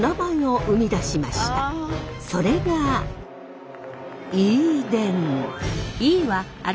それがＥ電。